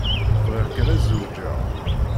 Bɣiɣ kan ad zewǧeɣ.